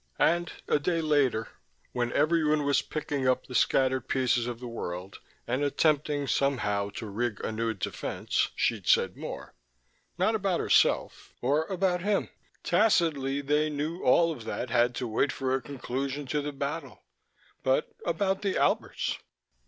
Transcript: And, a day later, when everyone was picking up the scattered pieces of the world and attempting, somehow, to rig a new defense, she'd said more. Not about herself, or about him. Tacitly, they knew all of that had to wait for a conclusion to the battle. But about the Alberts....